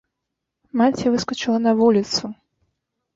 Маці выскачыла на вуліцу.